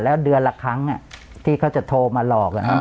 แล้วเดือนละครั้งที่เขาจะโทรมาหลอก